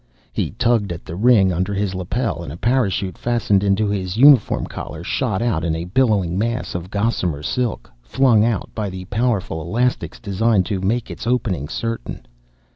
He tugged at the ring under his lapel and the parachute fastened into his uniform collar shot out in a billowing mass of gossamer silk, flung out by the powerful elastics designed to make its opening certain.